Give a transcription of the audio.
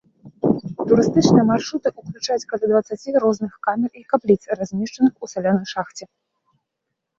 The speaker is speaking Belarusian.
Турыстычныя маршруты ўключаюць каля дваццаці розных камер і капліц, размешчаных у саляной шахце.